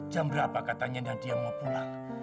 jam berapa katanya nadia mau pulang